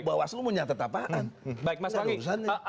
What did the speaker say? bawah selunya menyatakan apaan